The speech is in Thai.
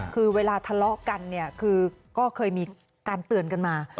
คือเวลาทะเลาะกันเนี่ยคือก็เคยมีการเตือนกันมา